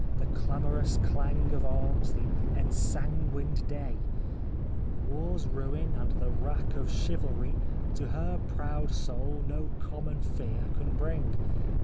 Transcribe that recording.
The clamorous clang of arms, the ensanguined day, War's ruin and the wreck of chivalry To her proud soul no common fear can bring.